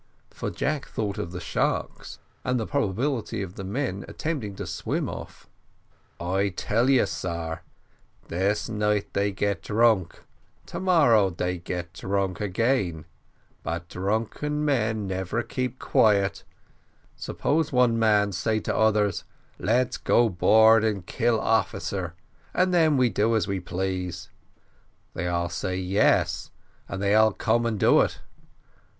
for Jack thought of the sharks, and the probability of the men attempting to swim off. "I tell you, sar, this night they get drunk, to morrow they get drunk again, but drunken men never keep quiet suppose one man say to others, `Let's go aboard and kill officer, and then we do as we please,' they all say yes, and they all come and do it.